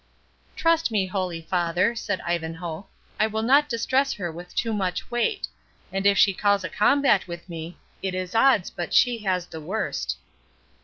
"Trust me, holy father," said Ivanhoe, "I will not distress her with too much weight; and if she calls a combat with me, it is odds but she has the worst."